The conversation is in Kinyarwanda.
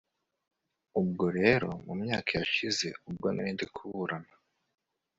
ubwo rero mu myaka yashize ubwo narindi kuburana